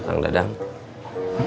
kang dadang gak dengar